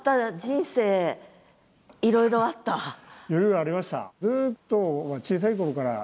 いろいろありました。